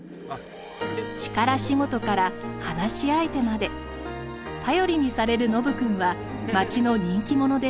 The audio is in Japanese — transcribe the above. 力仕事から話し相手まで頼りにされるノブくんは町の人気者です。